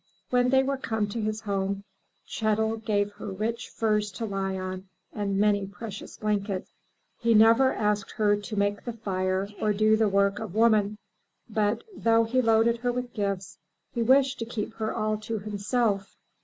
When they were come to his home, Chet'l gave her rich furs to lie on and many precious blankets. He never asked her to make the fire or do the work of woman. But, though he loaded her with gifts, he wished to keep her all to himself.